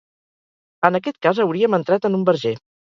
En aquest cas, hauríem entrat en un verger.